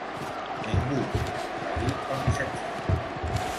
"Ningú", va dir el missatger.